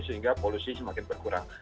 sehingga polusi semakin berkurang